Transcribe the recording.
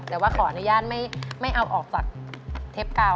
แต่ว่าขออนุญาตไม่เอาออกจากเทปเก่า